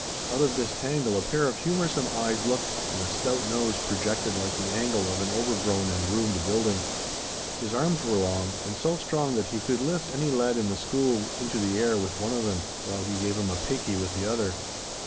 Out of this tangle a pair of humorsome eyes looked, and a stout nose projected like the angle of an overgrown and ruined building. His arms were long, and so strong that he could lift any lad in the school into the air with one of them, while he gave him 'paikie' with the other.